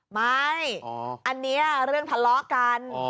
ไม่อันนี้เรื่องทะเลาะกัน